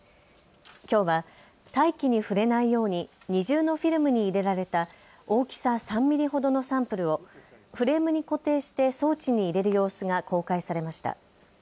きょうは大気に触れないように二重のフィルムに入れられた大きさ３ミリほどのサンプルをフレームに固定して装置に入れる様子が公開されました。